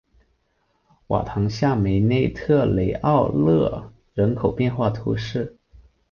瓦唐下梅内特雷奥勒人口变化图示